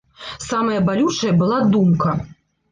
Самая балючая была думка.